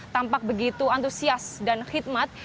tampak begitu antusias dan khidmat